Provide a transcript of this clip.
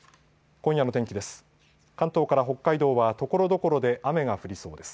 今夜の天気です。